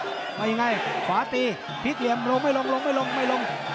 มายังไงขวาตีพลิกเหลี่ยมลงไม่ลงลงไม่ลงไม่ลง